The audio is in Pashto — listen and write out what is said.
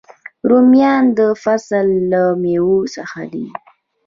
رومیان د فصل له میوو څخه دي